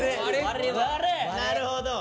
なるほど。